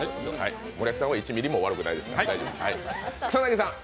森脇さんは１ミリも悪くないですから。